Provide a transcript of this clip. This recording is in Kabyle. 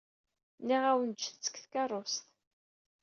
Nniɣ-awen ǧǧet-t deg tkeṛṛust.